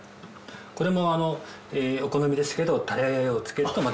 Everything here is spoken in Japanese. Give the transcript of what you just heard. これもお好みですけどタレをつけるとまた。